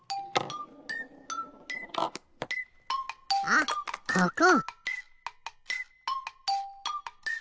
あっここ！